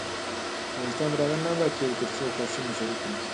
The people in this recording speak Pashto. افغانستان تر هغو نه ابادیږي، ترڅو خوښي مو شریکه نشي.